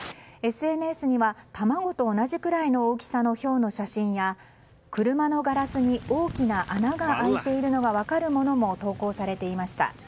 ＳＮＳには、卵と同じくらいの大きさのひょうの写真や車のガラスに大きな穴が開いているのが分かるものも投稿されていました。